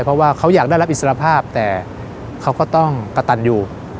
เพราะว่าเขาอยากได้รับอิสรภาพแต่เขาก็ต้องกระตันอยู่